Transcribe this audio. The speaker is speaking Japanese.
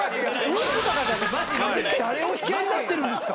誰を引き合いに出してるんですか。